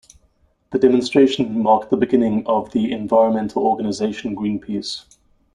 The demonstration marked the beginning of the environmental organization Greenpeace.